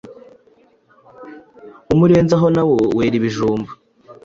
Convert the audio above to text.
Umurenzaho nawo wera ibijumba